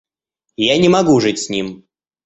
Я не могу жить с ним.